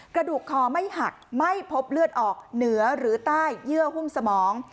กระดูกคอไม่หักไม่พบเลือดออกเหนือหรือใต้เยื่อหุ้มสมอง